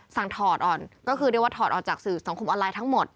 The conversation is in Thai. ถอดก่อนก็คือเรียกว่าถอดออกจากสื่อสังคมออนไลน์ทั้งหมด